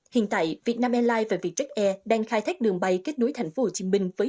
hiện tại vietnam airlines và vietjet air đang khai thác đường bay kết nối thành phố hồ chí minh với